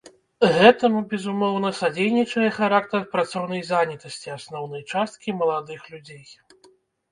Гэтаму, безумоўна, садзейнічае характар працоўнай занятасці асноўнай часткі маладых людзей.